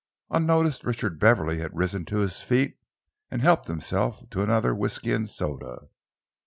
Unnoticed, Richard Beverley had risen to his feet and helped himself to another whisky and soda.